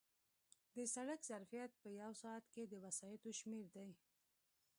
د سړک ظرفیت په یو ساعت کې د وسایطو شمېر دی